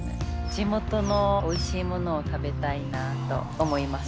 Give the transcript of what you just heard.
地元のおいしい物を食べたいなと思います。